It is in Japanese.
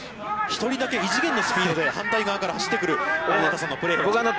１人だけ異次元のスピードで反対側から走ってくる大畑さんのプレーが。